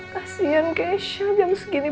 kasian keisha jam segini